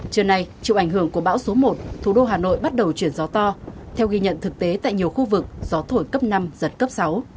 trưa nay chịu ảnh hưởng của bão số một thủ đô hà nội bắt đầu chuyển gió to theo ghi nhận thực tế tại nhiều khu vực gió thổi cấp năm giật cấp sáu